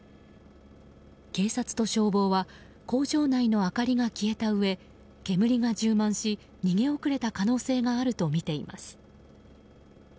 警察と消防は工場内の明かりが消えたうえ煙が充満し、逃げ遅れた可能性があるとみています。